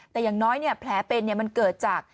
แต่อย่างน้อยแผลเป็นมันเกิดจาก